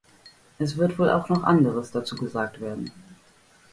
Es wird wohl auch noch anderes dazu gesagt werden.